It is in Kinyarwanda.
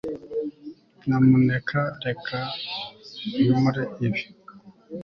Nyamuneka reka nkemure ibi